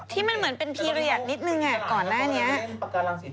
ที่มันเหมือนเป็นพีเรียสนิดนึงก่อนหน้านี้